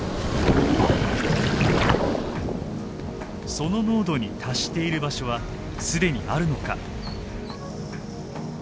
その濃度に達している場所は既にあるのか。